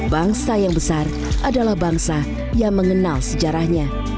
bangsa yang besar adalah bangsa yang mengenal sejarahnya